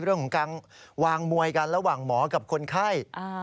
เรื่องของการวางมวยกันระหว่างหมอกับคนไข้